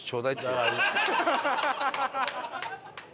ハハハハ！